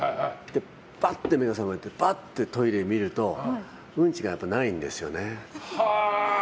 バッと目が覚めてトイレを見るとうんちがないんですよね。